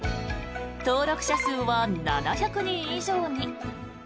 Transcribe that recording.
登録者数は７００人以上に。